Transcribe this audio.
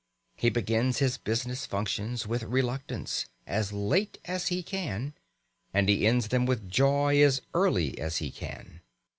He begins his business functions with reluctance, as late as he can, and he ends them with joy, as early as he can.